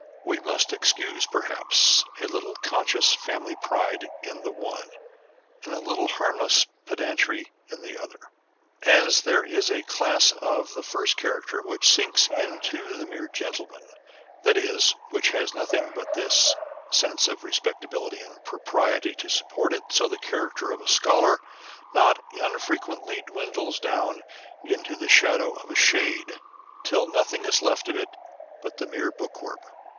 We must excuse perhaps a little conscious family pride in the one, and a little harmless pedantry in the other. As there is a class of the first character which sinks into the mere gentleman* that is, which has nothing but this sense of respectability and propriety to support it â€" so the character of a scholar not unfrequently dwindles down into the shadow of a shade, till nothing is left of it but the mere bookworm.